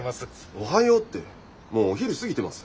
おはようってもうお昼過ぎてます。